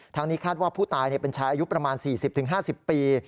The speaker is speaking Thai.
นี้คาดว่าผู้ตายเป็นชายอายุประมาณ๔๐๕๐ปี